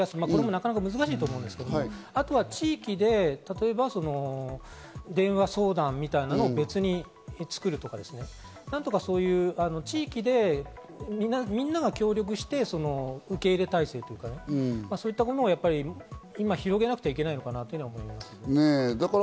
なかなか難しいと思うんですけど、あるいは地域で電話相談みたいなのを別に作るとか、何とか地域で、みんなが協力して受け入れ態勢というか、そういったものを今、広げなくてはならないのかなと思います。